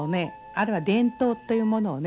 あるいは伝統というものをね